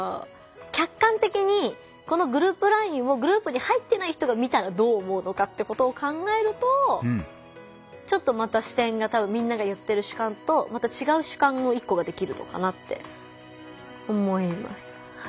客観的にこのグループＬＩＮＥをグループに入ってない人が見たらどう思うのかってことを考えるとちょっとまた視点がみんなが言ってる主観とまた違う主観の一個ができるのかなって思います。